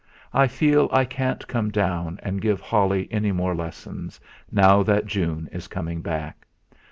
I feel I can't come down and give Holly any more lessons, now that June is coming back.